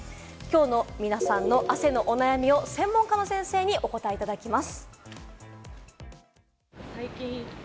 きょうの皆さんの汗のお悩みを専門家の先生にお答えいただきます。